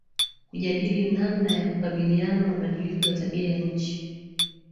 kujadili namna ya kukabiliana mabadiliko ya tabia nchi